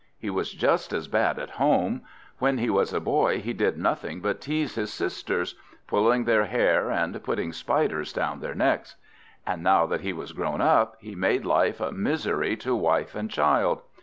He was just as bad at home; when he was a boy he did nothing but tease his sisters, pulling their hair and putting spiders down their necks; and now that he was grown up he made life a misery to wife and child.